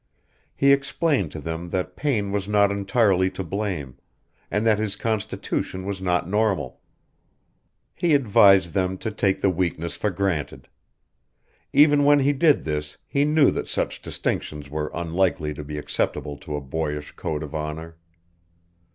He explained to them that Payne was not entirely to blame, and that his constitution was not normal. He advised them to take the weakness for granted. Even when he did this he knew that such distinctions were unlikely to be acceptable to a boyish code of honour.